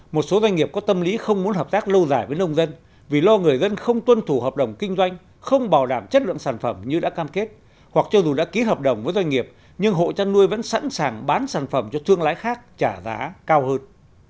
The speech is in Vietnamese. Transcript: một số doanh nghiệp có tâm lý không muốn hợp tác lâu dài với nông dân vì lo người dân không tuân thủ hợp đồng kinh doanh không bảo đảm chất lượng sản phẩm như đã cam kết hoặc cho dù đã ký hợp đồng với doanh nghiệp nhưng hộ chăn nuôi vẫn sẵn sàng bán sản phẩm cho thương lái khác trả giá cao hơn